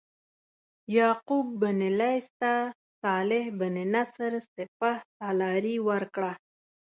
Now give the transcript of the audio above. یعقوب بن لیث ته صالح بن نصر سپه سالاري ورکړه.